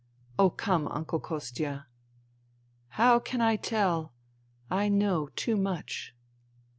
" Oh, come, Uncle Kostia ?"" How can I tell ? I know too much."